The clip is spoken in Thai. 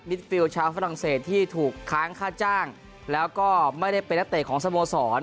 ฟิลชาวฝรั่งเศสที่ถูกค้างค่าจ้างแล้วก็ไม่ได้เป็นนักเตะของสโมสร